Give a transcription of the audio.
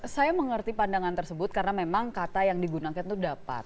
saya mengerti pandangan tersebut karena memang kata yang digunakan itu dapat